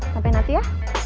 sampai nanti ya